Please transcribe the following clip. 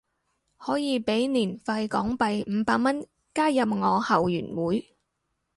可以俾年費港幣五百蚊加入我後援會